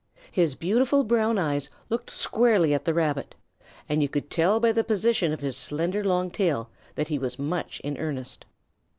His beautiful brown eyes looked squarely at the Rabbit, and you could tell by the position of his slender long tail that he was much in earnest.